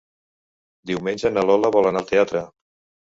Diumenge na Lola vol anar al teatre.